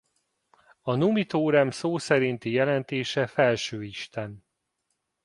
A Numi-Tórem szó szerinti jelentése Felső-Isten.